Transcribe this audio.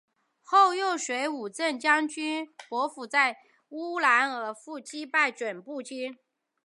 后又随振武将军傅尔丹在乌兰呼济尔击败准部军。